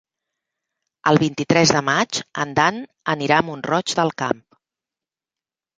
El vint-i-tres de maig en Dan anirà a Mont-roig del Camp.